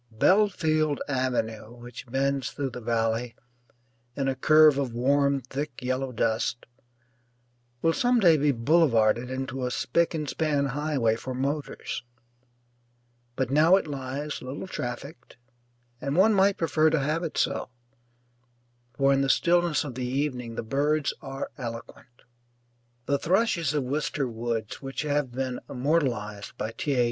Belfield Avenue, which bends through the valley in a curve of warm thick yellow dust, will some day be boulevarded into a spick and span highway for motors. But now it lies little trafficked, and one might prefer to have it so, for in the stillness of the evening the birds are eloquent. The thrushes of Wister Woods, which have been immortalized by T. A.